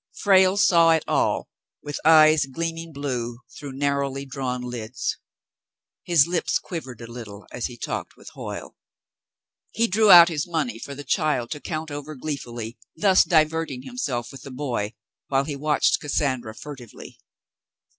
Frale saw it all, with eyes gleaming blue through nar rowly drawn lids. His lips quivered a little as he talked with Hoyle. He drew out his money for the child to count over gleefully, thus diverting himself with the boy, while he watched Cassandra furtively.